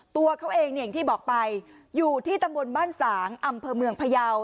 ตัวเขาเองเนี่ยอย่างที่บอกไปอยู่ที่ตำบลบ้านสางอำเภอเมืองพยาว